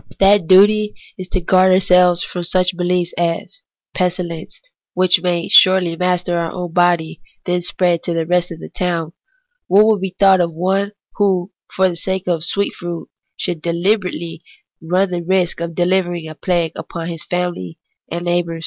That duty is to guard ourselves from such behefs as from a pestilence, which may shortly master our own body and then spread to the rest of the town. What would be thought of one who, for the sake of a sweet fruit, should dehberately run the risk of bringing a plague upon his family and his neighbours